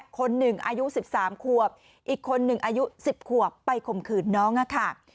คนหนึ่งอายุ๑๓ขวบอีกคนหนึ่งอายุ๑๐ขวบไปข่มขืนน้องค่ะ